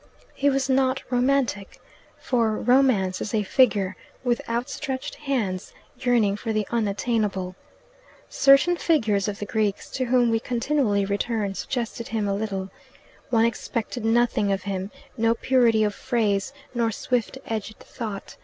He was not romantic, for Romance is a figure with outstretched hands, yearning for the unattainable. Certain figures of the Greeks, to whom we continually return, suggested him a little. One expected nothing of him no purity of phrase nor swift edged thought.